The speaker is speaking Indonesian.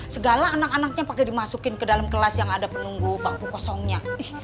segala anak anaknya pakai dimasukin ke dalam kelas yang ada menunggu bangku kosongnya